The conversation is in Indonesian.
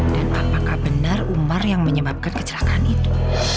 dan apakah benar umar yang menyebabkan kecelakaan itu